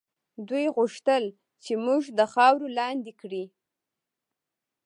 دوی غوښتل چې موږ د خاورو لاندې کړي.